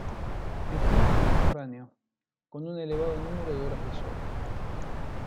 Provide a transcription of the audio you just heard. El clima es mediterráneo, con un elevado número de horas de sol.